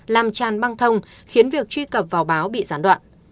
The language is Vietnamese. làm tràn băng thông khiến việc truy cập vào báo bị gián đoạn